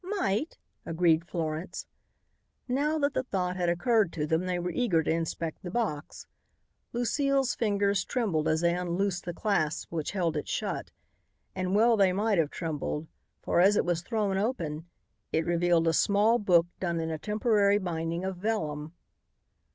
"Might," agreed Florence. Now that the thought had occurred to them, they were eager to inspect the box. Lucile's fingers trembled as they unloosed the clasps which held it shut. And well they might have trembled, for, as it was thrown open, it revealed a small book done in a temporary binding of vellum.